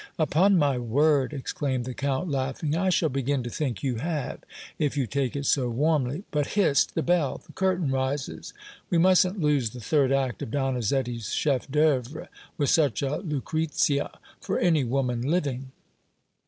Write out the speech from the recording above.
"Upon my word," exclaimed the Count, laughing, "I shall begin to think you have, if you take it so warmly. But, hist! the bell! The curtain rises. We mustn't lose the third act of Donizetti's chef d'oeuvre, with such a Lucrezia, for any woman living."